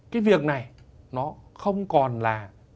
cái việc này nó không còn là